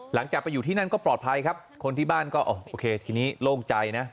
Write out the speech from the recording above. หลังจากไปอยู่ที่นั่นก็ปลอดภัยครับคนที่บ้านก็โอเคทีนี้โล่งใจนะ